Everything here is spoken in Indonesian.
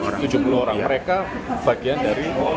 ada tujuh puluh orang mereka bagian dari